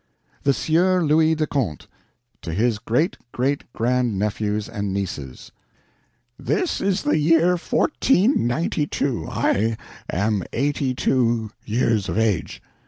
THE SIEUR LOUIS DE CONTE To his Great Great Grand Nephews and Nieces This is the year 1492. I am eighty two years of age.